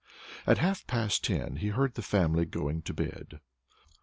At half past ten he heard the family going to bed.